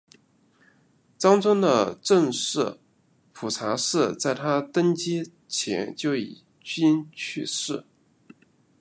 章宗的正室蒲察氏在他登基前就已经去世。